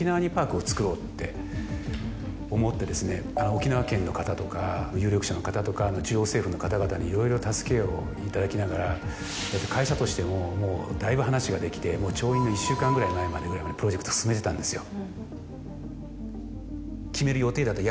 沖縄県の方とか有力者の方とか中央政府の方々にいろいろ助けを頂きながら会社としてももうだいぶ話ができて調印の１週間ぐらい前までプロジェクトを進めてたんですよ。